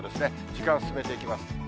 時間進めていきます。